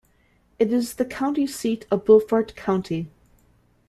It is the county seat of Beaufort County.